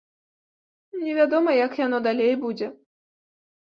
Не вядома, як яно далей будзе.